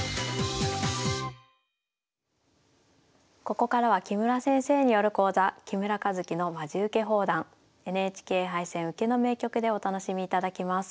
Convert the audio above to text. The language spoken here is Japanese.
ここからは木村先生による講座「木村一基のまじウケ放談ＮＨＫ杯戦・受けの名局」でお楽しみいただきます。